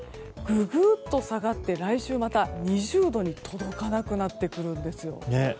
ググっと下がって来週また２０度届かなくなってくるんです。